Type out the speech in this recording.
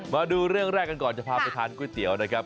มาดูเรื่องแรกกันก่อนจะพาไปทานก๋วยเตี๋ยวนะครับ